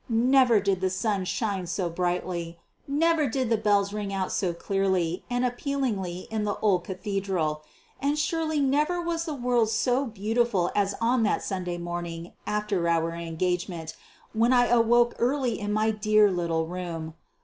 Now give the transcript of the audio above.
Never did the sun shine so brightly, never did the bells ring out so clearly and appealingly in the old Cathedral, and surely never was the world so beautiful as on the Sunday morning after our engagement when I awoke early in my dear little room.